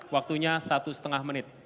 waktunya satu setengah menit